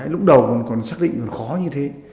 lúc đầu còn xác định còn khó như thế